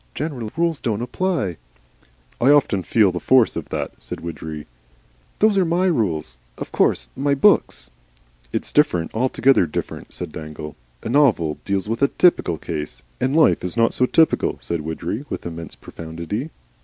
General rules don't apply " "I often feel the force of that," said Widgery. "Those are my rules. Of course my books " "It's different, altogether different," said Dangle. "A novel deals with typical cases." "And life is not typical," said Widgery, with immense profundity.